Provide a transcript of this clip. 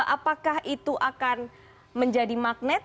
apakah itu akan menjadi magnet